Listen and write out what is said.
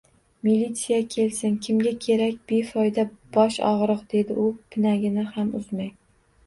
— Militsiya kelsin, kimga kerak befoyda bosh og’riq, — dedi u pinagini ham buzmay.